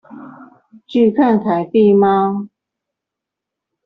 拒看凱蒂貓